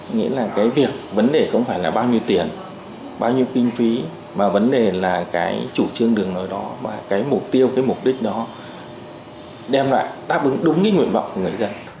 nghĩa là cái việc vấn đề không phải là bao nhiêu tiền bao nhiêu kinh phí mà vấn đề là cái chủ trương đường lối đó và cái mục tiêu cái mục đích đó đem lại táp ứng đúng cái nguyện vọng của người dân